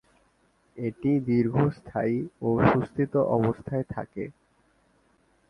এটি দীর্ঘস্থায়ী ও সুস্থিত অবস্থায় থাকে।